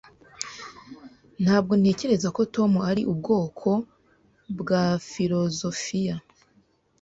Ntabwo ntekereza ko Tom ari ubwoko bwa filozofiya.